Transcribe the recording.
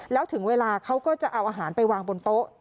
แล้วถึงเวลาเขาก็จะเอาอาหารไปวางบนโต๊ะ